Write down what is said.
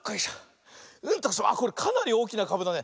あっこれかなりおおきなかぶだね。